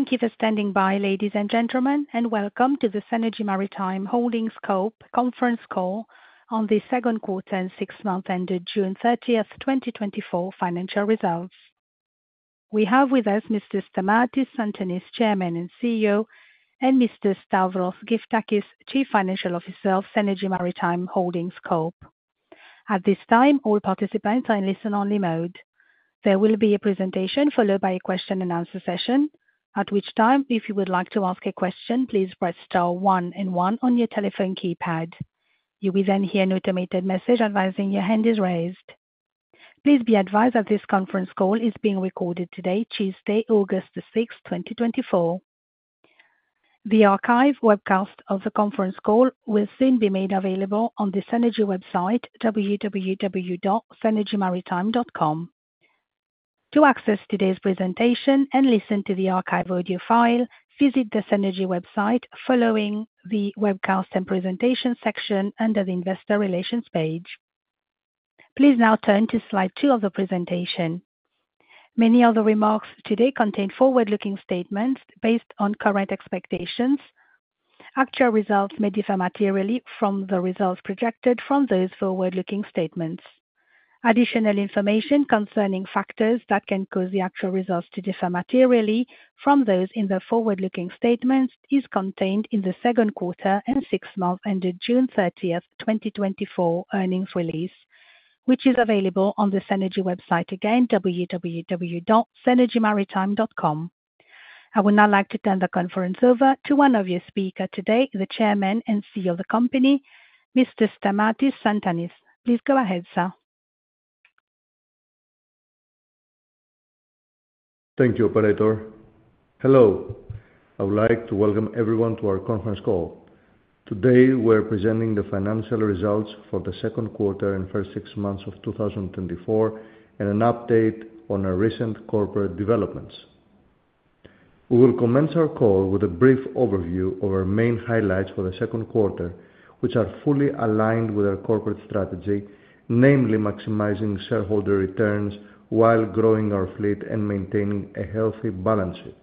Thank you for standing by, ladies and gentlemen, and welcome to the Seanergy Maritime Holdings Corp. conference call on the second quarter and six months ended June 30, 2024 financial results. We have with us Mr. Stamatis Tsantanis, Chairman and CEO, and Mr. Stavros Gyftakis, Chief Financial Officer of Seanergy Maritime Holdings Corp. At this time, all participants are in listen-only mode. There will be a presentation, followed by a question-and-answer session, at which time, if you would like to ask a question, please press star one and one on your telephone keypad. You will then hear an automated message advising your hand is raised. Please be advised that this conference call is being recorded today, Tuesday, August 6, 2024. The archive webcast of the conference call will soon be made available on the Seanergy website, www.seanergymaritime.com. To access today's presentation and listen to the archive audio file, visit the Seanergy website following the Webcast and Presentation section under the Investor Relations page. Please now turn to slide 2 of the presentation. Many of the remarks today contain forward-looking statements based on current expectations. Actual results may differ materially from the results projected from those forward-looking statements. Additional information concerning factors that can cause the actual results to differ materially from those in the forward-looking statements is contained in the second quarter and six months ended June 30, 2024 earnings release, which is available on the Seanergy website, again, www.seanergymaritime.com. I would now like to turn the conference over to one of your speakers today, the Chairman and CEO of the company, Mr. Stamatis Tsantanis. Please go ahead, sir. Thank you, operator. Hello. I would like to welcome everyone to our conference call. Today, we're presenting the financial results for the second quarter and first six months of 2024, and an update on our recent corporate developments. We will commence our call with a brief overview of our main highlights for the second quarter, which are fully aligned with our corporate strategy, namely maximizing shareholder returns while growing our fleet and maintaining a healthy balance sheet.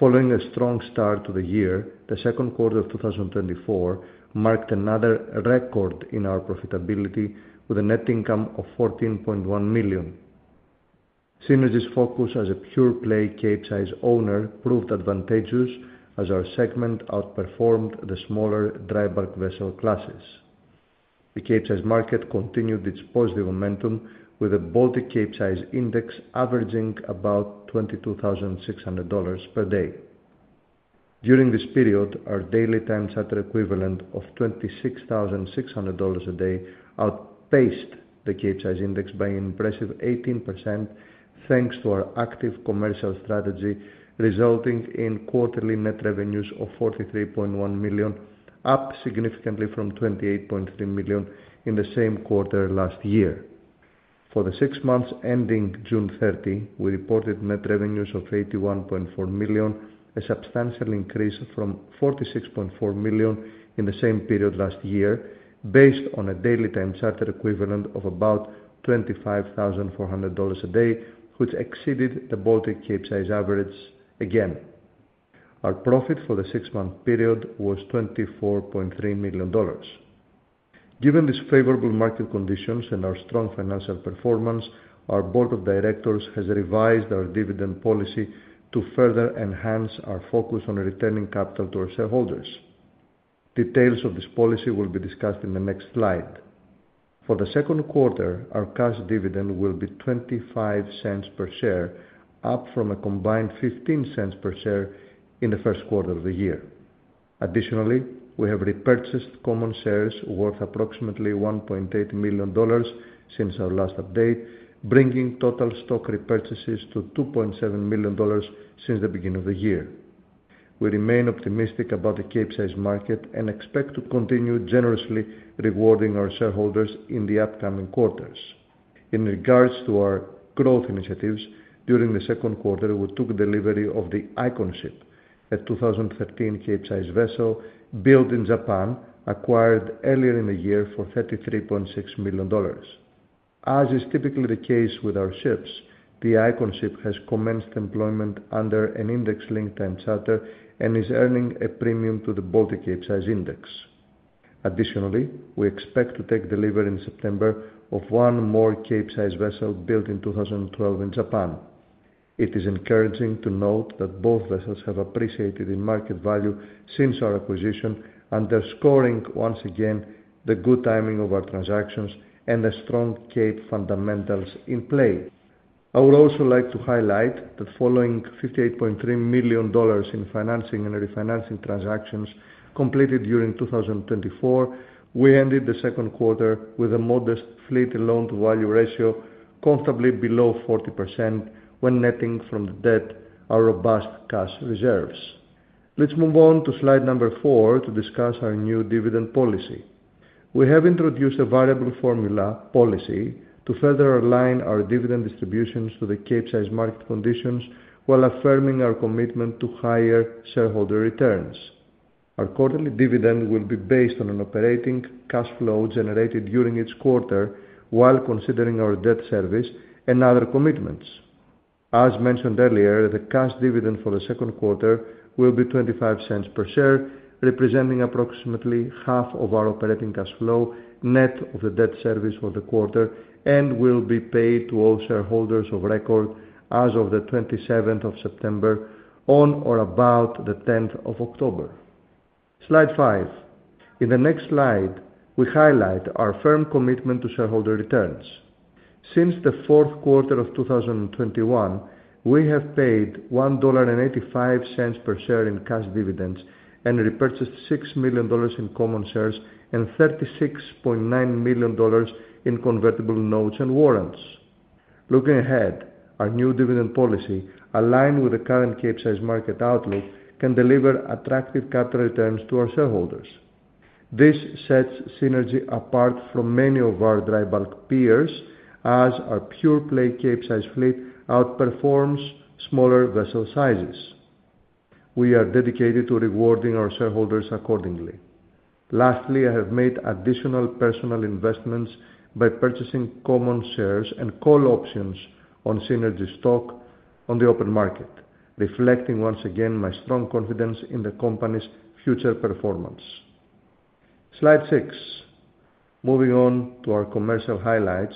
Following a strong start to the year, the second quarter of 2024 marked another record in our profitability with a net income of $14.1 million. Seanergy's focus as a pure-play Capesize owner proved advantageous as our segment outperformed the smaller dry bulk vessel classes. The Capesize market continued its positive momentum with a Baltic Capesize Index averaging about $22,600 per day. During this period, our daily time charter equivalent of $26,600 a day outpaced the Capesize index by an impressive 18%, thanks to our active commercial strategy, resulting in quarterly net revenues of $43.1 million, up significantly from $28.3 million in the same quarter last year. For the six months ending June 30, we reported net revenues of $81.4 million, a substantial increase from $46.4 million in the same period last year, based on a daily time charter equivalent of about $25,400 a day, which exceeded the Baltic Capesize average again. Our profit for the six-month period was $24.3 million. Given these favorable market conditions and our strong financial performance, our board of directors has revised our dividend policy to further enhance our focus on returning capital to our shareholders. Details of this policy will be discussed in the next slide. For the second quarter, our cash dividend will be $0.25 per share, up from a combined $0.15 per share in the first quarter of the year. Additionally, we have repurchased common shares worth approximately $1.8 million since our last update, bringing total stock repurchases to $2.7 million since the beginning of the year. We remain optimistic about the Capesize market and expect to continue generously rewarding our shareholders in the upcoming quarters. In regards to our growth initiatives, during the second quarter, we took delivery of the Iconship, a 2013 Capesize vessel built in Japan, acquired earlier in the year for $33.6 million. As is typically the case with our ships, the Iconship has commenced employment under an index-linked time charter and is earning a premium to the Baltic Capesize Index. Additionally, we expect to take delivery in September of one more Capesize vessel built in 2012 in Japan. It is encouraging to note that both vessels have appreciated in market value since our acquisition, underscoring once again the good timing of our transactions and the strong Cape fundamentals in play. I would also like to highlight that following $58.3 million in financing and refinancing transactions completed during 2024, we ended the second quarter with a modest fleet loan-to-value ratio comfortably below 40% when netting from the debt our robust cash reserves. Let's move on to slide 4 to discuss our new dividend policy. We have introduced a variable formula policy to further align our dividend distributions to the Capesize market conditions while affirming our commitment to higher shareholder returns. Our quarterly dividend will be based on an operating cash flow generated during each quarter, while considering our debt service and other commitments. As mentioned earlier, the cash dividend for the second quarter will be $0.25 per share, representing approximately half of our operating cash flow, net of the debt service for the quarter, and will be paid to all shareholders of record as of the 27th of September, on or about the 10th of October. Slide 5. In the next slide, we highlight our firm commitment to shareholder returns. Since the fourth quarter of 2021, we have paid $1.85 per share in cash dividends and repurchased $6 million in common shares and $36.9 million in convertible notes and warrants. Looking ahead, our new dividend policy, aligned with the current Capesize market outlook, can deliver attractive capital returns to our shareholders. This sets Seanergy apart from many of our dry bulk peers, as our pure-play Capesize fleet outperforms smaller vessel sizes. We are dedicated to rewarding our shareholders accordingly. Lastly, I have made additional personal investments by purchasing common shares and call options on Seanergy stock on the open market, reflecting once again my strong confidence in the company's future performance. Slide six. Moving on to our commercial highlights,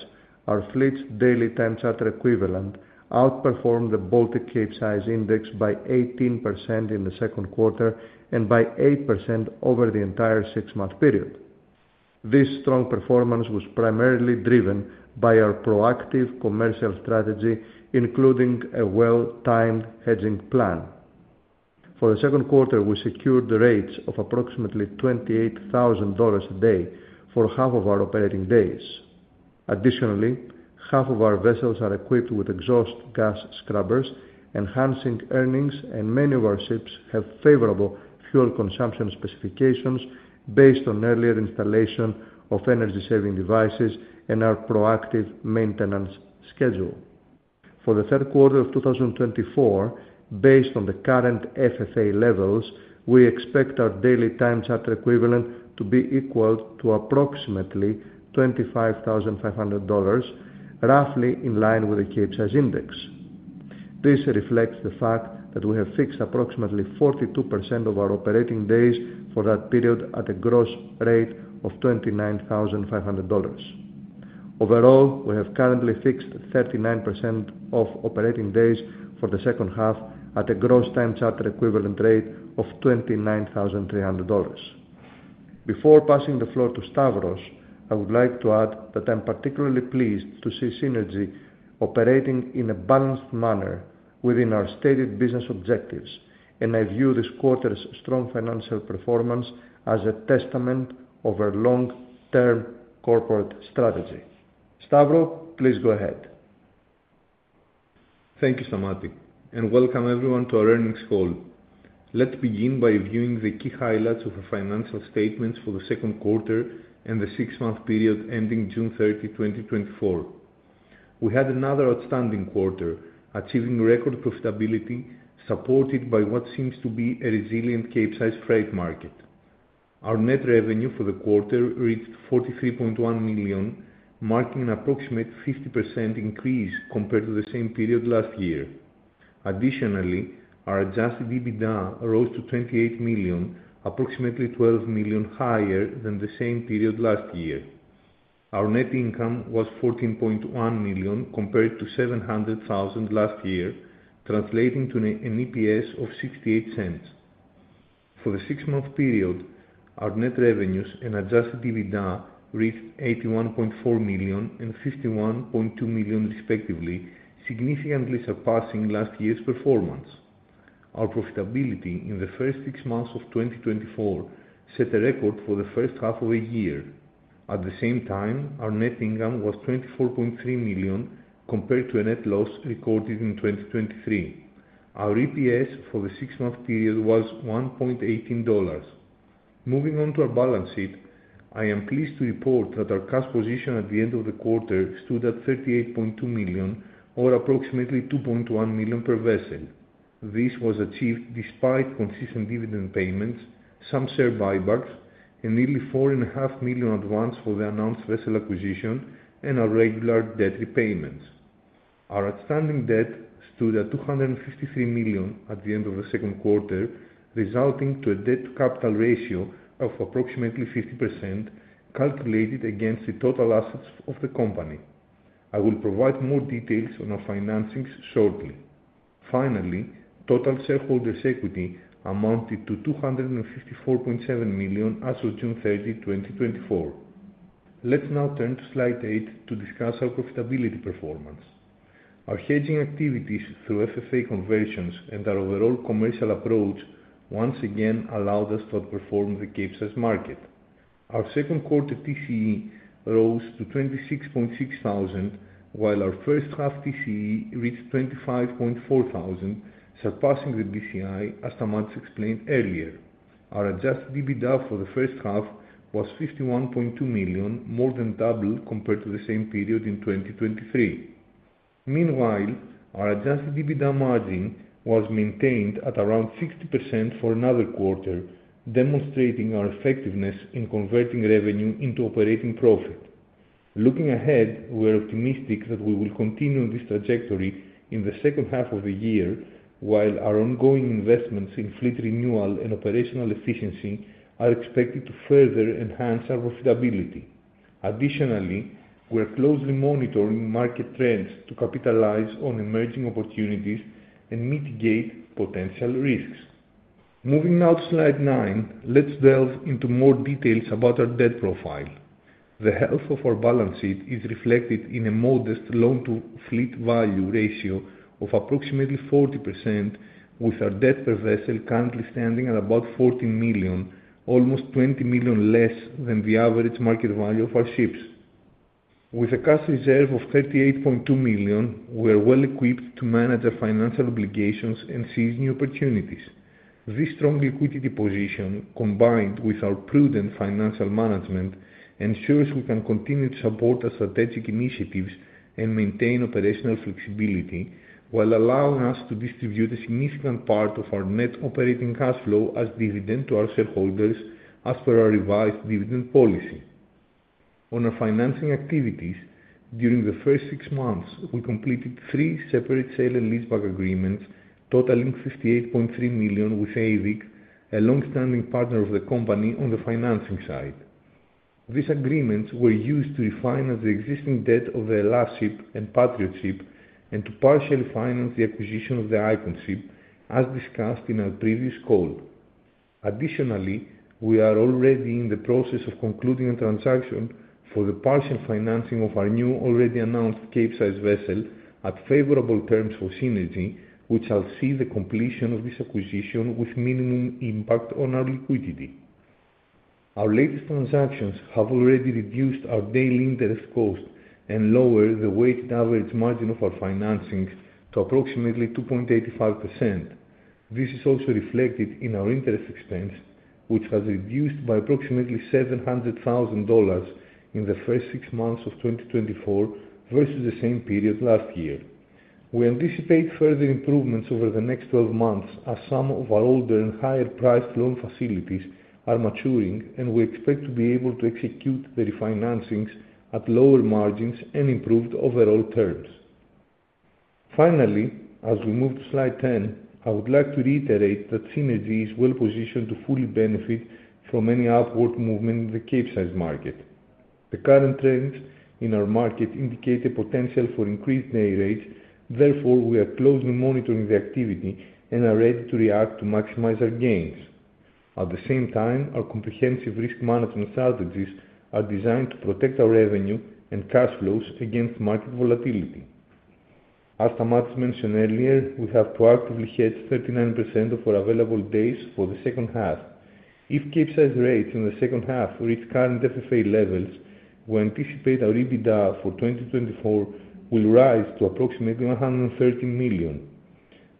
our fleet's daily time charter equivalent outperformed the Baltic Capesize Index by 18% in the second quarter and by 8% over the entire six-month period. This strong performance was primarily driven by our proactive commercial strategy, including a well-timed hedging plan. For the second quarter, we secured rates of approximately $28,000 a day for half of our operating days. Additionally, half of our vessels are equipped with exhaust gas scrubbers, enhancing earnings, and many of our ships have favorable fuel consumption specifications based on earlier installation of energy-saving devices and our proactive maintenance schedule. For the third quarter of 2024, based on the current FFA levels, we expect our daily time charter equivalent to be equal to approximately $25,500, roughly in line with the Capesize Index. This reflects the fact that we have fixed approximately 42% of our operating days for that period at a gross rate of $29,500. Overall, we have currently fixed 39% of operating days for the second half at a gross time charter equivalent rate of $29,300. Before passing the floor to Stavros, I would like to add that I'm particularly pleased to see Seanergy operating in a balanced manner within our stated business objectives, and I view this quarter's strong financial performance as a testament of our long-term corporate strategy. Stavros, please go ahead. Thank you, Stamatis, and welcome everyone to our earnings call. Let's begin by reviewing the key highlights of the financial statements for the second quarter and the six-month period ending June 30, 2024. We had another outstanding quarter, achieving record profitability, supported by what seems to be a resilient Capesize freight market. Our net revenue for the quarter reached $43.1 million, marking an approximate 50% increase compared to the same period last year. Additionally, our adjusted EBITDA rose to $28 million, approximately $12 million higher than the same period last year. Our net income was $14.1 million, compared to $700,000 last year, translating to an EPS of $0.68. For the six-month period, our net revenues and adjusted EBITDA reached $81.4 million and $51.2 million, respectively, significantly surpassing last year's performance. Our profitability in the first six months of 2024 set a record for the first half of a year. At the same time, our net income was $24.3 million, compared to a net loss recorded in 2023. Our EPS for the six-month period was $1.18. Moving on to our balance sheet, I am pleased to report that our cash position at the end of the quarter stood at $38.2 million, or approximately $2.1 million per vessel. This was achieved despite consistent dividend payments, some share buybacks, and nearly $4.5 million advance for the announced vessel acquisition and our regular debt repayments. Our outstanding debt stood at $253 million at the end of the second quarter, resulting to a debt-to-capital ratio of approximately 50%, calculated against the total assets of the company. I will provide more details on our financings shortly. Finally, total shareholders' equity amounted to $254.7 million as of June 30, 2024. Let's now turn to slide 8 to discuss our profitability performance. Our hedging activities through FFA conversions and our overall commercial approach once again allowed us to outperform the Capesize market. Our second quarter TCE rose to $26,600, while our first half TCE reached $25,400, surpassing the BCI, as Stamatis explained earlier. Our adjusted EBITDA for the first half was $51.2 million, more than double compared to the same period in 2023. Meanwhile, our adjusted EBITDA margin was maintained at around 60% for another quarter, demonstrating our effectiveness in converting revenue into operating profit. Looking ahead, we're optimistic that we will continue this trajectory in the second half of the year, while our ongoing investments in fleet renewal and operational efficiency are expected to further enhance our profitability. Additionally, we're closely monitoring market trends to capitalize on emerging opportunities and mitigate potential risks. Moving now to slide 9, let's delve into more details about our debt profile. The health of our balance sheet is reflected in a modest loan-to-fleet value ratio of approximately 40%, with our debt per vessel currently standing at about $14 million, almost $20 million less than the average market value of our ships. With a cash reserve of $38.2 million, we are well-equipped to manage our financial obligations and seize new opportunities. This strong liquidity position, combined with our prudent financial management, ensures we can continue to support our strategic initiatives and maintain operational flexibility, while allowing us to distribute a significant part of our net operating cash flow as dividend to our shareholders as per our revised dividend policy. On our financing activities, during the first six months, we completed three separate sale and leaseback agreements totaling $58.3 million with AVIC, a long-standing partner of the company on the financing side. These agreements were used to refinance the existing debt of the Hellasship and Patriotship, and to partially finance the acquisition of the Iconship, as discussed in our previous call. Additionally, we are already in the process of concluding a transaction for the partial financing of our new, already announced Capesize vessel at favorable terms for Seanergy, which shall see the completion of this acquisition with minimum impact on our liquidity. Our latest transactions have already reduced our daily interest cost and lowered the weighted average margin of our financings to approximately 2.85%. This is also reflected in our interest expense, which has reduced by approximately $700,000 in the first six months of 2024 versus the same period last year. We anticipate further improvements over the next 12 months, as some of our older and higher-priced loan facilities are maturing, and we expect to be able to execute the refinancings at lower margins and improved overall terms. Finally, as we move to slide 10, I would like to reiterate that Seanergy is well-positioned to fully benefit from any upward movement in the Capesize market. The current trends in our market indicate a potential for increased day rates. Therefore, we are closely monitoring the activity and are ready to react to maximize our gains. At the same time, our comprehensive risk management strategies are designed to protect our revenue and cash flows against market volatility. As Stamatis mentioned earlier, we have proactively hedged 39% of our available days for the second half. If Capesize rates in the second half reach current FFA levels, we anticipate our EBITDA for 2024 will rise to approximately $113 million.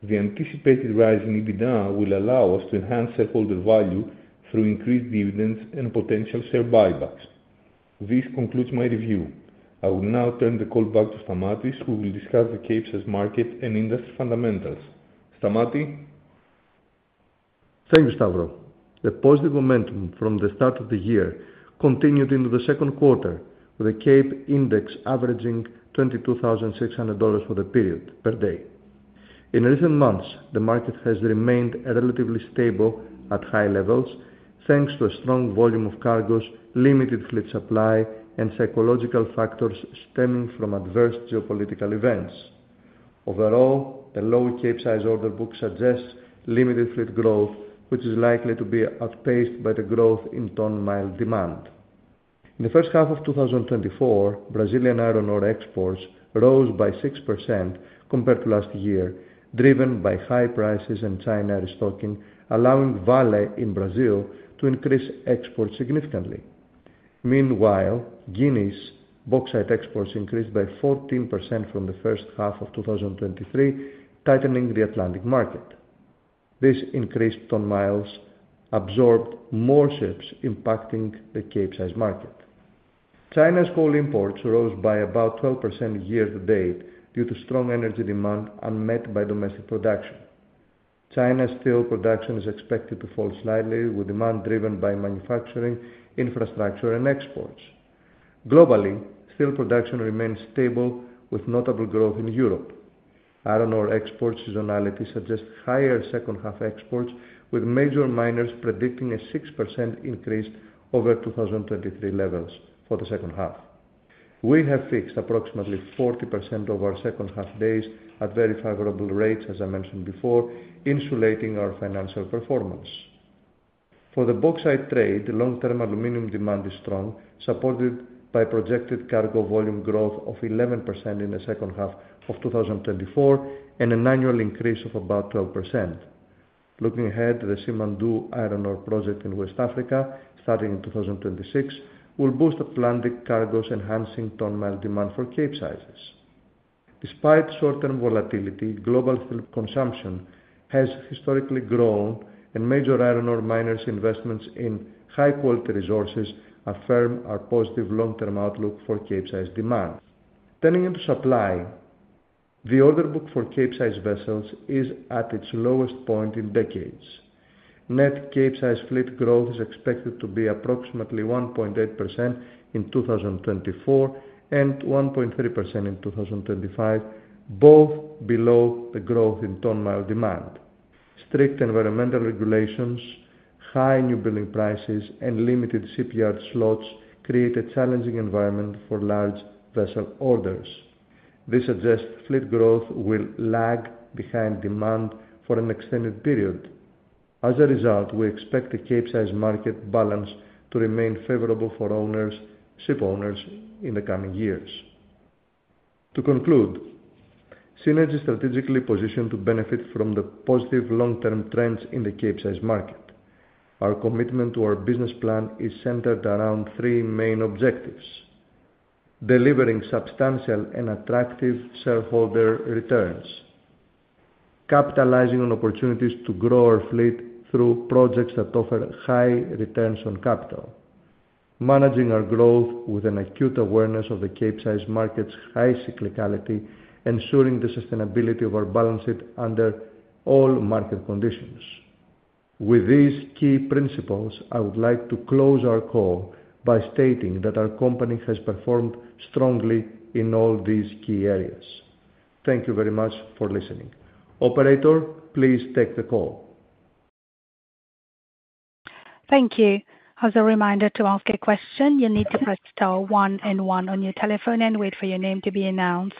The anticipated rise in EBITDA will allow us to enhance shareholder value through increased dividends and potential share buybacks. This concludes my review. I will now turn the call back to Stamatis, who will discuss the Capesize market and industry fundamentals. Stamatis? Thank you, Stavros. The positive momentum from the start of the year continued into the second quarter, with the Cape index averaging $22,600 for the period per day. In recent months, the market has remained relatively stable at high levels, thanks to a strong volume of cargoes, limited fleet supply, and psychological factors stemming from adverse geopolitical events. Overall, the low Capesize order book suggests limited fleet growth, which is likely to be outpaced by the growth in ton mile demand. In the first half of 2024, Brazilian iron ore exports rose by 6% compared to last year, driven by high prices and China restocking, allowing Vale in Brazil to increase exports significantly. Meanwhile, Guinea's bauxite exports increased by 14% from the first half of 2023, tightening the Atlantic market. This increased ton miles absorbed more ships, impacting the Capesize market. China's coal imports rose by about 12% year to date due to strong energy demand unmet by domestic production. China's steel production is expected to fall slightly, with demand driven by manufacturing, infrastructure, and exports. Globally, steel production remains stable, with notable growth in Europe. Iron Ore export seasonality suggests higher second half exports, with major miners predicting a 6% increase over 2023 levels for the second half. We have fixed approximately 40% of our second half days at very favorable rates, as I mentioned before, insulating our financial performance. For the bauxite trade, long-term aluminum demand is strong, supported by projected cargo volume growth of 11% in the second half of 2024, and an annual increase of about 12%. Looking ahead, the Simandou Iron Ore Project in West Africa, starting in 2026, will boost Atlantic cargoes, enhancing ton-mile demand for Capesizes. Despite short-term volatility, global steel consumption has historically grown, and major iron ore miners' investments in high-quality resources affirm our positive long-term outlook for Capesize demand. Turning to supply. The order book for Capesize vessels is at its lowest point in decades. Net Capesize fleet growth is expected to be approximately 1.8% in 2024, and 1.3% in 2025, both below the growth in ton-mile demand. Strict environmental regulations, high newbuilding prices, and limited shipyard slots create a challenging environment for large vessel orders. This suggests fleet growth will lag behind demand for an extended period. As a result, we expect the Capesize market balance to remain favorable for owners, ship owners in the coming years. To conclude, Seanergy is strategically positioned to benefit from the positive long-term trends in the Capesize market. Our commitment to our business plan is centered around three main objectives: delivering substantial and attractive shareholder returns, capitalizing on opportunities to grow our fleet through projects that offer high returns on capital, managing our growth with an acute awareness of the Capesize market's high cyclicality, ensuring the sustainability of our balance sheet under all market conditions. With these key principles, I would like to close our call by stating that our company has performed strongly in all these key areas. Thank you very much for listening. Operator, please take the call. Thank you. As a reminder, to ask a question, you need to press star one and one on your telephone and wait for your name to be announced.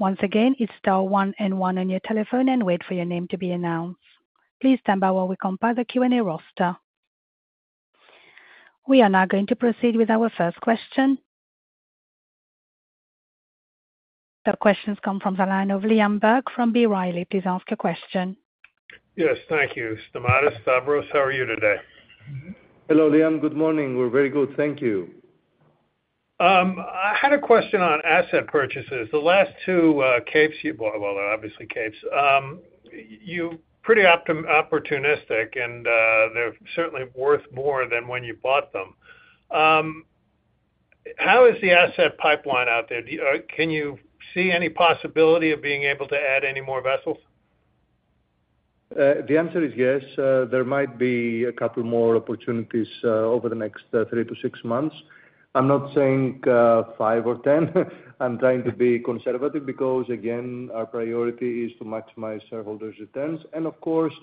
Once again, it's star one and one on your telephone and wait for your name to be announced. Please stand by while we compile the Q&A roster. We are now going to proceed with our first question. The questions come from the line of Liam Burke from B. Riley. Please ask a question. Yes, thank you. Stamatis Tsantanis, how are you today? Hello, Liam. Good morning. We're very good, thank you. I had a question on asset purchases. The last two Capes you bought, well, they're obviously Capes. You pretty opportunistic, and they're certainly worth more than when you bought them. How is the asset pipeline out there? Can you see any possibility of being able to add any more vessels? The answer is yes. There might be a couple more opportunities over the next 3-6 months. I'm not saying 5 or 10. I'm trying to be conservative because, again, our priority is to maximize shareholders' returns and, of course,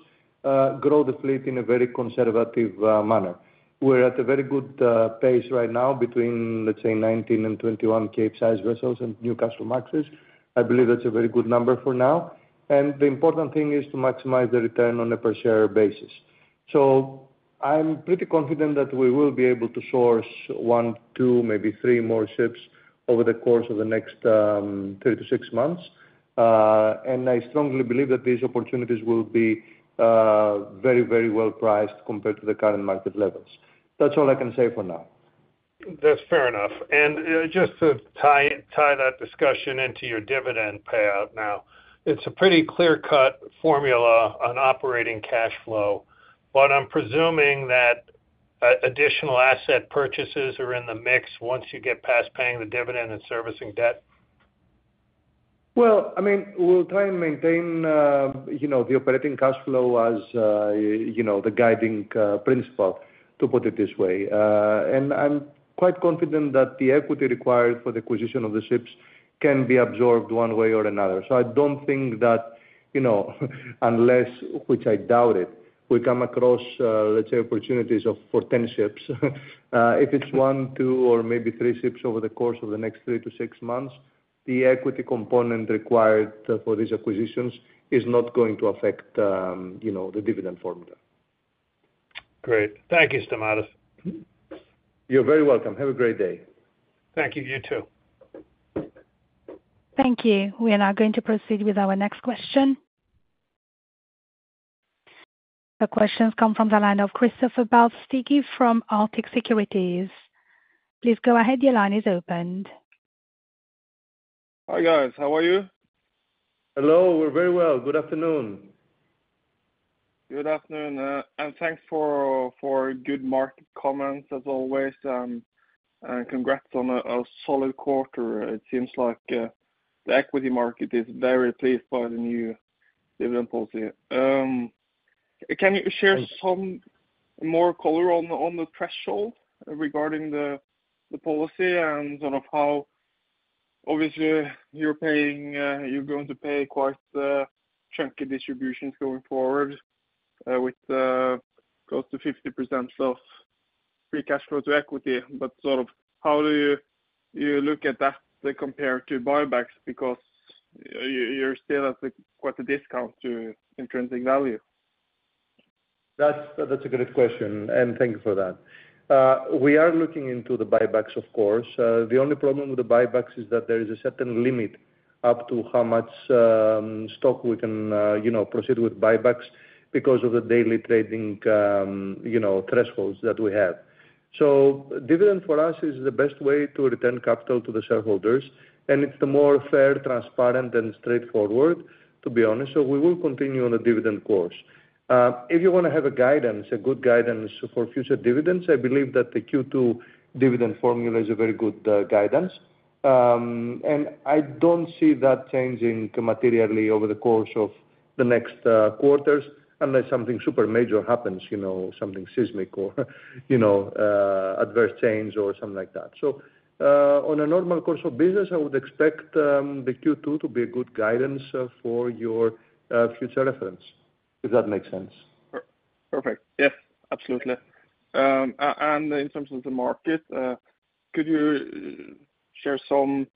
grow the fleet in a very conservative manner. We're at a very good pace right now between, let's say, 19 and 21 Capesize vessels and Newcastlemaxes. I believe that's a very good number for now, and the important thing is to maximize the return on a per-share basis. So I'm pretty confident that we will be able to source 1, 2, maybe 3 more ships over the course of the next 3-6 months. And I strongly believe that these opportunities will be very, very well priced compared to the current market levels. That's all I can say for now. That's fair enough. Just to tie that discussion into your dividend payout now, it's a pretty clear-cut formula on operating cash flow, but I'm presuming that additional asset purchases are in the mix once you get past paying the dividend and servicing debt? Well, I mean, we'll try and maintain, you know, the operating cash flow as, you know, the guiding principle, to put it this way. And I'm quite confident that the equity required for the acquisition of the ships can be absorbed one way or another. So I don't think that, you know, unless, which I doubt it, we come across, let's say, opportunities for 10 ships. If it's one, two, or maybe three ships over the course of the next three to six months, the equity component required for these acquisitions is not going to affect, you know, the dividend formula. Great. Thank you, Stamatis. You're very welcome. Have a great day. Thank you. You, too. Thank you. We are now going to proceed with our next question. The questions come from the line of Kristoffer Barth Skeie from Arctic Securities. Please go ahead. Your line is opened. Hi, guys. How are you? Hello. We're very well. Good afternoon. Good afternoon, and thanks for good market comments, as always, and congrats on a solid quarter. It seems like the equity market is very pleased by the new dividend policy. Can you share some more color on the threshold regarding the policy and sort of how obviously you're paying, you're going to pay quite a chunky distributions going forward, with close to 50% of free cash flow to equity. But sort of how do you look at that compared to buybacks? Because you're still at a quite a discount to intrinsic value. That's, that's a great question, and thank you for that. We are looking into the buybacks, of course. The only problem with the buybacks is that there is a certain limit up to how much stock we can, you know, proceed with buybacks because of the daily trading, you know, thresholds that we have. So dividend for us is the best way to return capital to the shareholders, and it's the more fair, transparent, and straightforward, to be honest, so we will continue on the dividend course. If you want to have a guidance, a good guidance for future dividends, I believe that the Q2 dividend formula is a very good guidance. I don't see that changing materially over the course of the next quarters unless something super major happens, you know, something seismic or you know, adverse change or something like that. On a normal course of business, I would expect the Q2 to be a good guidance for your future reference, if that makes sense. Perfect. Yes, absolutely. And in terms of the market, could you share some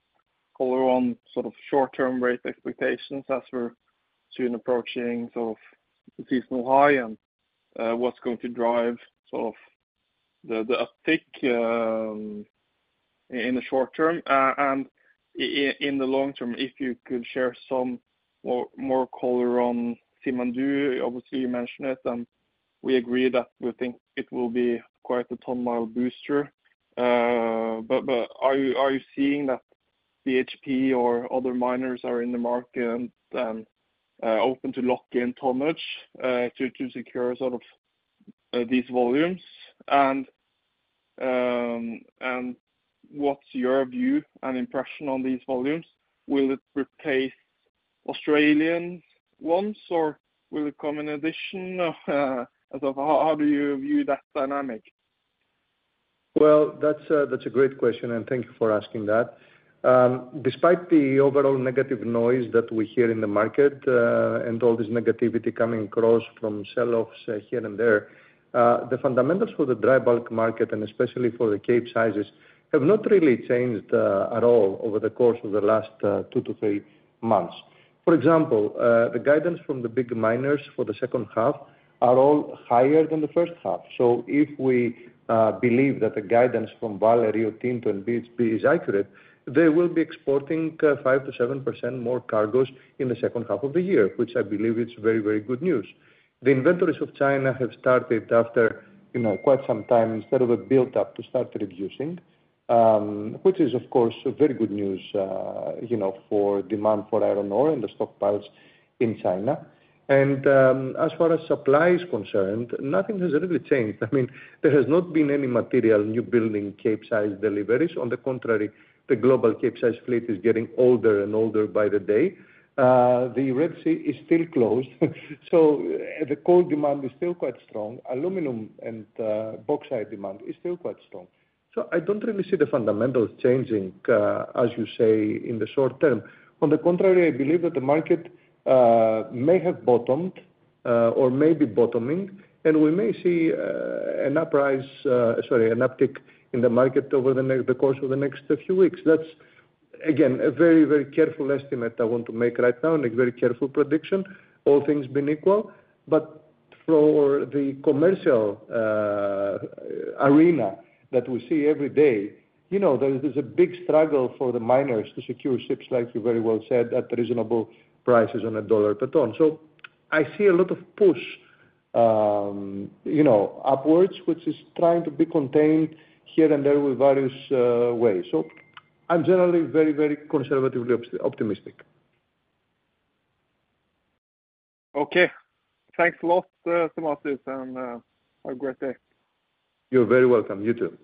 color on sort of short-term rate expectations as we're soon approaching sort of the seasonal high, and, what's going to drive sort of the, the uptick, in the short term? And in the long term, if you could share some more, more color on Simandou, obviously, you mentioned it, and we agree that we think it will be quite a ton mile booster. But, but are you, are you seeing that BHP or other miners are in the market and, open to lock in tonnage, to, to secure sort of, these volumes? And, and what's your view and impression on these volumes? Will it replace Australian ones, or will it come in addition? As of now, how do you view that dynamic? Well, that's a great question, and thank you for asking that. Despite the overall negative noise that we hear in the market, and all this negativity coming across from selloffs here and there, the fundamentals for the dry bulk market, and especially for the Capesize, have not really changed at all over the course of the last 2-3 months. For example, the guidance from the big miners for the second half are all higher than the first half. So if we believe that the guidance from Vale, Rio Tinto and BHP is accurate, they will be exporting 5%-7% more cargoes in the second half of the year, which I believe it's very, very good news. The inventories of China have started after, you know, quite some time, instead of a built-up, to start reducing, which is, of course, very good news, you know, for demand for iron ore and the stockpiles in China. As far as supply is concerned, nothing has really changed. I mean, there has not been any material newbuilding Capesize deliveries. On the contrary, the global Capesize fleet is getting older and older by the day. The Red Sea is still closed, so the coal demand is still quite strong. Aluminum and bauxite demand is still quite strong. So I don't really see the fundamentals changing, as you say, in the short term. On the contrary, I believe that the market may have bottomed or may be bottoming, and we may see an uprise, sorry, an uptick in the market over the the course of the next few weeks. That's, again, a very, very careful estimate I want to make right now, and a very careful prediction, all things being equal. But for the commercial arena that we see every day, you know, there, there's a big struggle for the miners to secure ships, like you very well said, at reasonable prices on a $1 per ton. So I see a lot of push, you know, upwards, which is trying to be contained here and there with various ways. So I'm generally very, very conservatively optimistic. Okay. Thanks a lot, Stamatis, and have a great day. You're very welcome. You, too.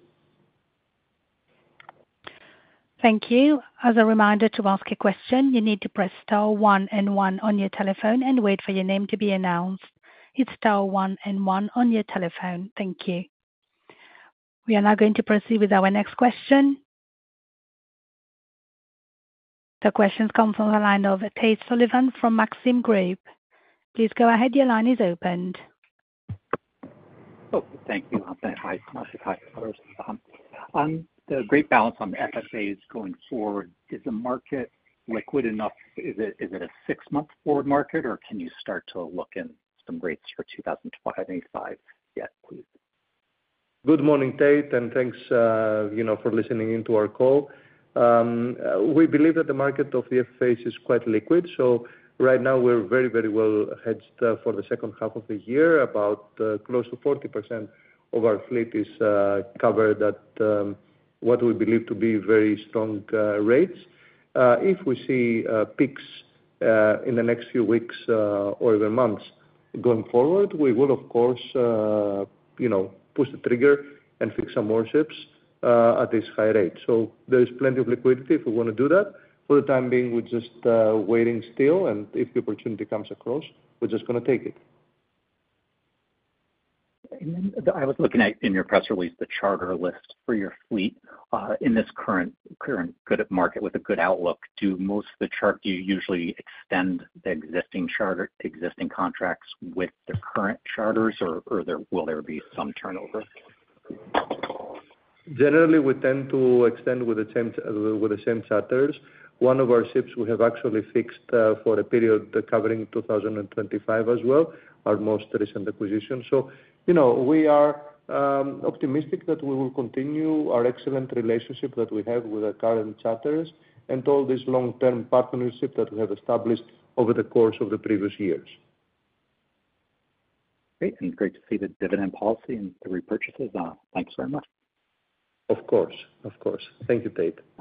Thank you. As a reminder to ask a question, you need to press star one and one on your telephone and wait for your name to be announced. It's star one and one on your telephone. Thank you. We are now going to proceed with our next question. The question comes from the line of Tate Sullivan from Maxim Group. Please go ahead. Your line is opened. Oh, thank you. Hi, Stamatis. Hi, Stavros. On the freight balance on the FFAs going forward, is the market liquid enough? Is it a six-month forward market, or can you start to lock in some rates for 2025 yet, please? Good morning, Tate, and thanks, you know, for listening in to our call. We believe that the market of the FFAs is quite liquid, so right now we're very, very well hedged for the second half of the year. About close to 40% of our fleet is covered at what we believe to be very strong rates. If we see peaks in the next few weeks or even months going forward, we will, of course, you know, push the trigger and fix some more ships at this high rate. So there is plenty of liquidity if we want to do that. For the time being, we're just waiting still, and if the opportunity comes across, we're just gonna take it. And then I was looking at, in your press release, the charterer list for your fleet. In this current good market with a good outlook, do most of the charterers... Do you usually extend the existing charter, existing contracts with the current charterers, or will there be some turnover? Generally, we tend to extend with the same, with the same charters. One of our ships we have actually fixed for a period covering 2025 as well, our most recent acquisition. So, you know, we are optimistic that we will continue our excellent relationship that we have with our current charters and all these long-term partnerships that we have established over the course of the previous years. Great, and great to see the dividend policy and the repurchases. Thanks very much. Of course. Of course. Thank you, Tate.